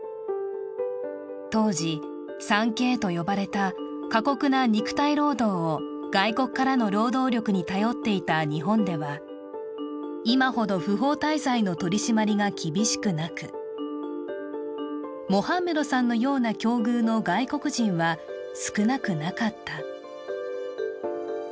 当時、３Ｋと呼ばれた過酷な肉体労働を外国からの労働力に頼っていた日本では、今ほど不法滞在の取締りが厳しくなく、モハンメドさんのような境遇の外国人は少なくなかった。